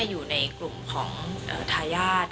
อยู่ในกลุ่มของทายาท